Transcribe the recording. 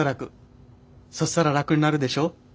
そしたら楽になるでしょ？